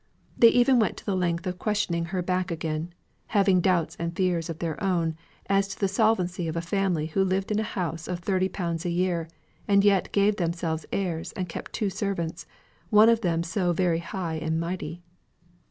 They even went the length of questioning her back again; having doubts and fears of their own, as to the solvency of a family who lived in a house of thirty pounds a year, and yet gave themselves airs, and kept two servants, one of them so very high and mighty.